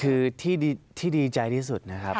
คือที่ดีใจที่สุดนะครับ